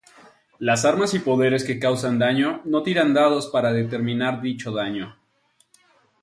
Las armas y poderes que causan daño no tiran dados para determinar dicho daño.